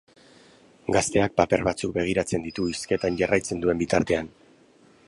Gazteak paper batzuk begiratzen ditu hizketan jarraitzen duen bitartean.